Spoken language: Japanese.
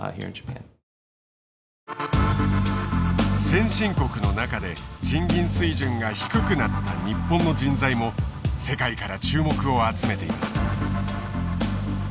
先進国の中で賃金水準が低くなった日本の人材も世界から注目を集めています。